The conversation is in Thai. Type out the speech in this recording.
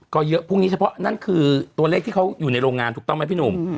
ก็เยอะพรุ่งนี้เฉพาะนั่นคือตัวเลขที่เขาอยู่ในโรงงานถูกต้องไหมพี่หนุ่ม